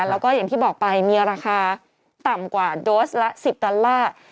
แล้วก็อย่างที่บอกไปมีราคาต่ำกว่าโดสละ๑๐ดอลลาร์